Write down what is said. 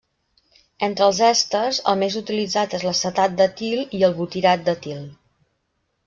Entre els èsters el més utilitzat és l'acetat d'etil i el butirat d'etil.